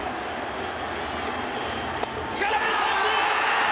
空振り三振！